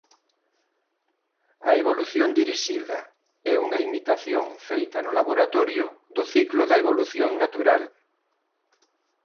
A evolución dirixida é unha imitación feita no laboratorio do ciclo da evolución natural.